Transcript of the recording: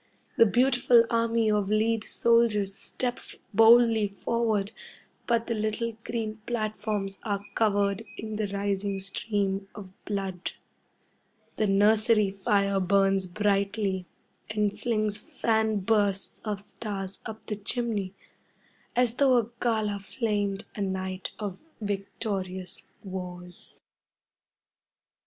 The beautiful army of lead soldiers steps boldly forward, but the little green platforms are covered in the rising stream of blood. The nursery fire burns brightly and flings fan bursts of stars up the chimney, as though a gala flamed a night of victorious wars.